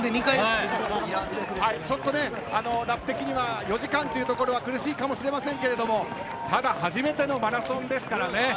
ちょっとラップ的には４時間というところは苦しいかもしれませんが初めてのマラソンですからね。